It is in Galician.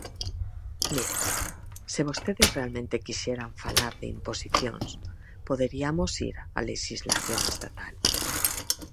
Miren, se vostedes realmente quixeran falar de imposicións poderiamos ir á lexislación estatal.